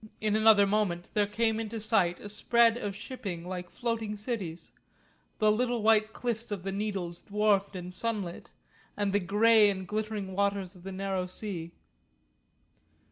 In another moment there came into sight a spread of shipping like floating cities, the little white cliffs of the Needles dwarfed and sunlit, and the grey and glittering waters of the narrow sea.